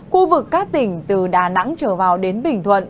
khu vực các tỉnh từ đà nẵng trở vào đến bình thuận